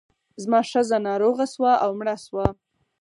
زما ښځه ناروغه شوه او مړه شوه.